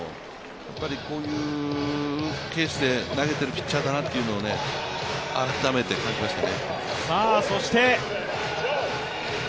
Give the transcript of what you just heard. やっぱりこういうケースで投げてるピッチャーだなというのを改めて感じましたね。